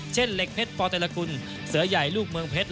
เช่นเหล็กเพชรปเตรคุณเสือใหญ่ลูกเมืองเพชร